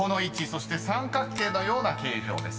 そして三角形のような形状です］